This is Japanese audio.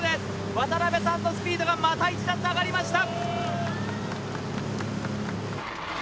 渡邊さんのスピードがまた一段と上がりました。